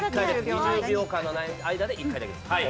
２０秒間の間で１回だけです。